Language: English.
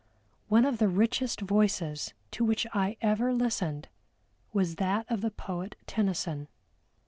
One of the richest voices to which I ever listened was that of the poet TENNYSON.